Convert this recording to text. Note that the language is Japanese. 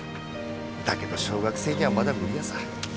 だけど小学生にはまだ無理ヤサ。